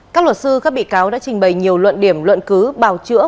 các luật sư các bị cáo đã trình bày nhiều luận điểm luận cứ bào chữa